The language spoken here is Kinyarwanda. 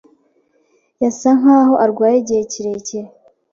Yasa nkaho arwaye igihe kirekire.